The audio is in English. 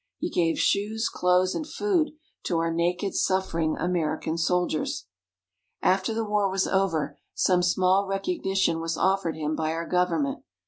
He gave shoes, clothes, and food to our naked suffering American soldiers. After the War was over, some small recognition was offered him by our Government.